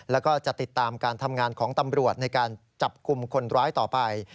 แล้วก็จะติดตามการทำงานของตำรวจในการจับกลุ่มคนร้ายต่อไป